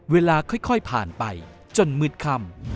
เวลาค่อยผ่านไปจนมืดค่ำ